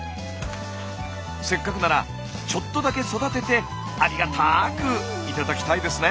せっかくならちょっとだけ育ててありがたく頂きたいですね。